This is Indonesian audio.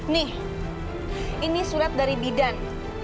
nih ini surat dari bidan